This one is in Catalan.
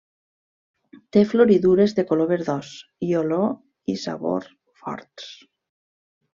Té floridures de color verdós i olor i sabor forts.